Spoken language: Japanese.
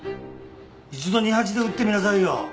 一度二八で打ってみなさいよ。